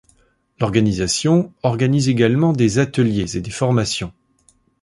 L'organisation organise également des ateliers et des formations.